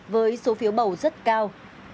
với số phiếu bầu rất cao